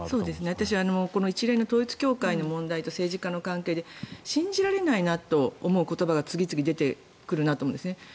私、一連の統一教会と政治家の問題で信じられないなと思う言葉が次々と出てくるなと思うんです。